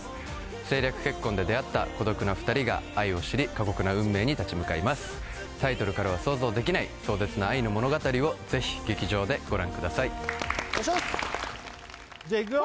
政略結婚で出会った孤独な２人が愛を知り過酷な運命に立ち向かいますタイトルからは想像できない壮絶な愛の物語をぜひ劇場でご覧くださいじゃいくよ